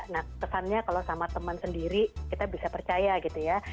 nah kesannya kalau sama teman sendiri kita bisa percaya gitu ya